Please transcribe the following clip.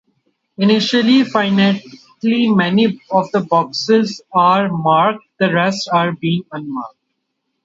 Initially, finitely-many of the boxes are marked, the rest being unmarked.